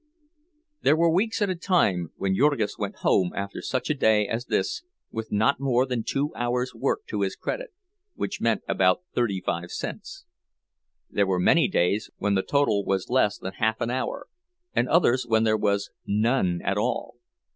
There were weeks at a time when Jurgis went home after such a day as this with not more than two hours' work to his credit—which meant about thirty five cents. There were many days when the total was less than half an hour, and others when there was none at all.